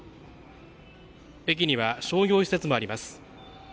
駅には商業施設もあります。